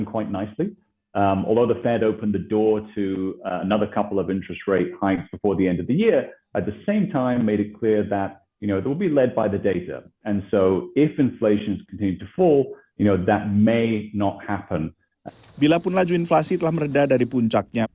bilapun laju inflasi telah meredah dari puncaknya